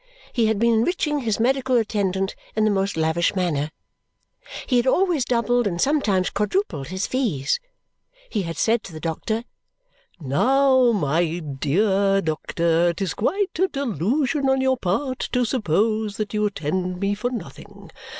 He had been enriching his medical attendant in the most lavish manner. He had always doubled, and sometimes quadrupled, his fees. He had said to the doctor, "Now, my dear doctor, it is quite a delusion on your part to suppose that you attend me for nothing.